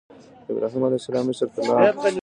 ابراهیم علیه السلام مصر ته لاړ.